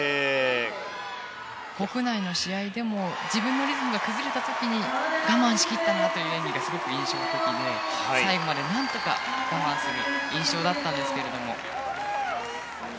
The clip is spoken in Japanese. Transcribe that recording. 国内の試合でも自分のリズムが崩れた時に我慢しきったという演技がすごく印象的で最後まで何とか我慢する印象だったんですけども。